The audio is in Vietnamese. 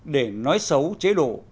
để nói xấu chế độ